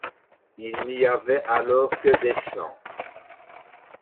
Il n’y avait alors que des champs.